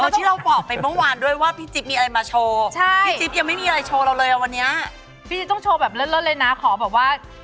ที่เราบอกไปเมื่อวานด้วยว่าพี่จิ๊บมีอะไรมาโชว์